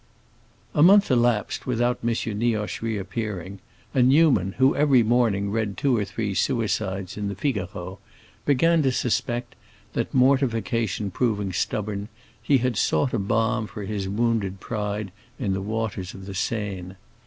A month elapsed without M. Nioche reappearing, and Newman, who every morning read two or three suicides in the Figaro, began to suspect that, mortification proving stubborn, he had sought a balm for his wounded pride in the waters of the Seine.